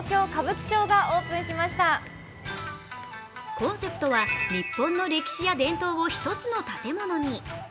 コンセプトは日本の歴史や伝統を１つの建物に。